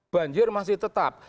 banjir masih tetap